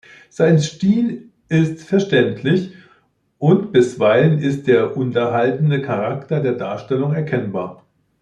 Sein Stil ist verständlich und bisweilen ist der unterhaltende Charakter der Darstellung erkennbar.